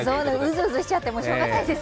うずうずしちゃってしようがないです。